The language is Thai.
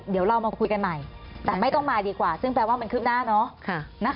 เดี๋ยวเรามาคุยกันใหม่แต่ไม่ต้องมาดีกว่าซึ่งแปลว่ามันคืบหน้าเนาะ